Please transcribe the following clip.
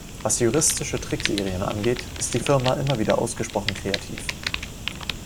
Was juristische Tricksereien angeht, ist die Firma immer wieder ausgesprochen kreativ.